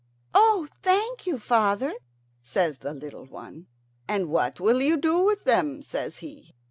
"Oh, thank you, father," says the little one. "And what will you do with them?" says he.